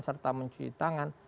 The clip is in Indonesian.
serta mencuci tangan